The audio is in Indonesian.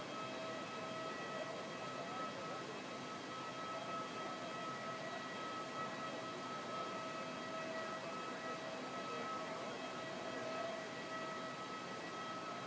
it'schioan jangan nyepuklah nah orang tua rasikan jadi takut overreacted